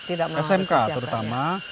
iya smk terutama